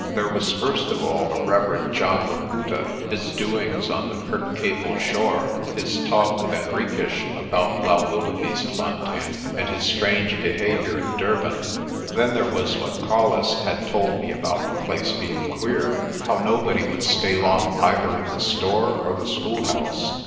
There was first of all the Rev. John Laputa, his doings on the Kirkcaple shore, his talk with Henriques about Blaauwildebeestefontein, and his strange behaviour at Durban. Then there was what Colles had told me about the place being queer, how nobody would stay long either in the store or the schoolhouse.